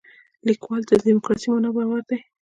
لیکوال دیموکراسي معنا باور دی.